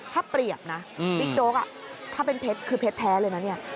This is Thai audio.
ถ้าเปรียบนะบิ๊กโจ๊กถ้าเป็นเพชรคือเพชรแท้เลยนะเนี่ย